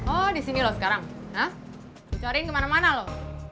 oh disini lo sekarang gue cariin kemana mana lo